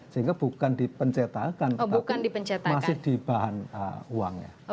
sehingga bukan dipencetakan tapi masih di bahan uangnya